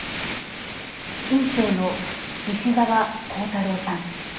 院長の西澤弘太郎さん。